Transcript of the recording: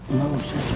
enggak usah cu